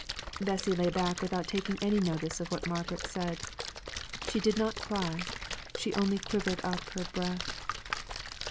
Bessy lay back without taking any notice of what Margaret said. She did not cry she only quivered up her breath.